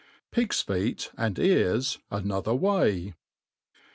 Pig^s Feet and Ears another Way.